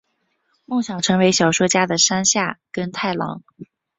梦想成为小说家的山下耕太郎！